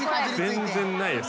全然ないよ